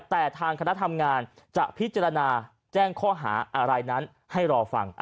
แต่ทางคณะทำงานจะพิจารณาแจ้งข้อหาอะไรนั้นให้รอฟัง